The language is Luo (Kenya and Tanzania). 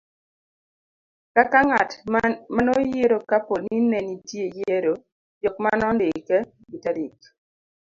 kaka ngat manoyiero ka po ni nenitie yiero, jok manondike gi tarik